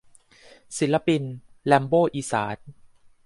ศิลปิน แรมโบ้อีสาน